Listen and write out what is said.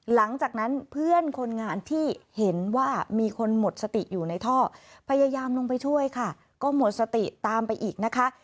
หลังจากนั้นเพื่อนคนงานที่เห็นว่ามีคนหมดสติอยู่ในท่อพยายามลงไปช่วยค่ะก็หมดสติตามไปอีกนะคะ